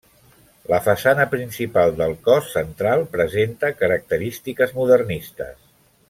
La façana principal del cos central presenta característiques modernistes.